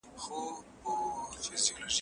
حالاتو ته په کتو بايد نوې پرېکړې وسي.